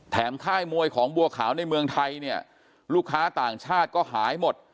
ค่ายมวยของบัวขาวในเมืองไทยเนี่ยลูกค้าต่างชาติก็หายหมด